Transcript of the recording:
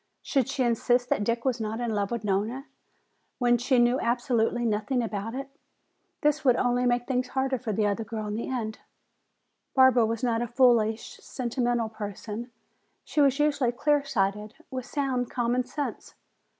Should she insist that Dick was not in love with Nona when she knew absolutely nothing about it? This would, only make things harder for the other girl in the end. Barbara was not a foolish, sentimental person; she was usually clear sighted, with sound common sense.